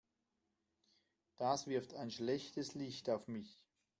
Das wirft ein schlechtes Licht auf mich.